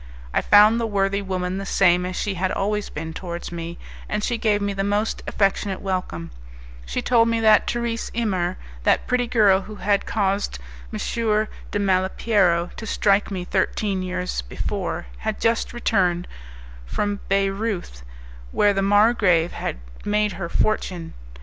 I found the worthy woman the same as she had always been towards me, and she gave me the most affectionate welcome. She told me that Thérèse Imer, that pretty girl who had caused M. de Malipiero to strike me thirteen years before, had just returned from Bayreuth, where the margrave had made her fortune.